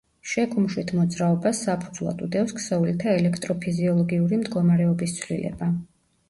შეკუმშვით მოძრაობას საფუძვლად უდევს ქსოვილთა ელექტროფიზიოლოგიური მდგომარეობის ცვლილება.